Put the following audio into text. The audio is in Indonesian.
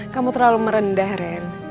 kamu terlalu merendah ren